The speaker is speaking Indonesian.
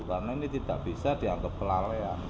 karena ini tidak bisa dianggap belarea